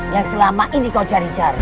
yang selama ini kau cari cari